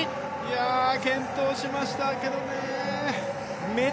健闘しましたけどね。